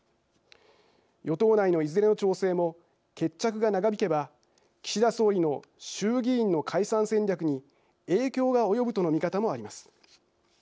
与党内のいずれの調整も決着が長引けば岸田総理の衆議院の解散戦略に影響が及ぶとの見方もあります。